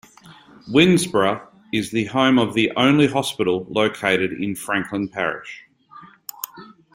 Winnsboro is the home of the only hospital located in Franklin Parish.